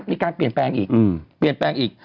มีการเปลี่ยนแปลงอีก